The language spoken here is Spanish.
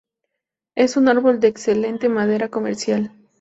Es un árbol de excelente madera comercial.